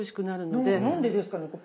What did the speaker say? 何でですかね？